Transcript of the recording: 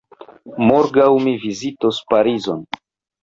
Morgaŭ mi veturos Parizon.